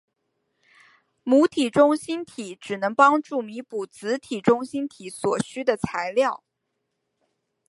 母体中心体只能帮助弥补子体中心体所需的材料。